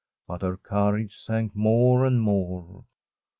But her courage sank more and more.